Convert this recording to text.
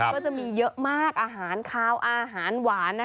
ก็จะมีเยอะมากอาหารคาวอาหารหวาน